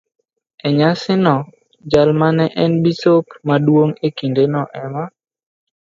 E nyasino, jal ma ne en bisop maduong' e kindeno ema